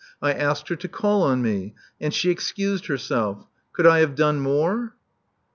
I asked her to call on me ; and she excused herself. Could I have done more?" '*!